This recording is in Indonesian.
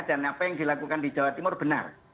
dan apa yang dilakukan di jawa timur benar